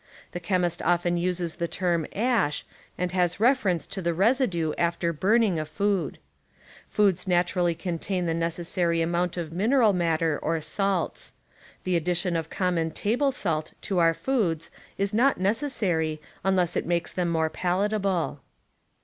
The chemist often uses the term "ash" and has I'cfercnce to the resi due after burning a food. Foods naturally contain the necessary amount of mineral matter or salts. The addition of common table salt to our foods is not necessary unless it makes them more palatable.